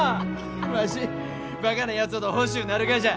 わしバカなやつほど欲しゅうなるがじゃ。